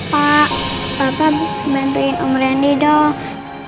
pak bapak bantuin om randy dong